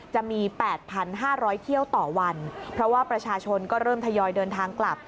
จะมี๘๕๐๐เที่ยวต่อวันเพราะว่าประชาชนก็เริ่มทยอยเดินทางกลับ